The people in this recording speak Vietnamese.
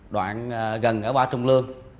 đoạn gần ở ba trung lương